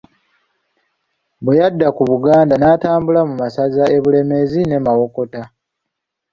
Bwe yadda ku Buganda n'atambula mu masaza e Bulemeezi ne Mawokota.